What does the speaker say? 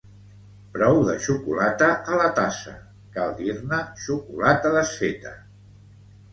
Prou de xocolata a la tassa, cal dir-ne xocolata desfeta.